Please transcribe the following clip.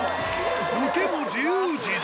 ボケも自由自在。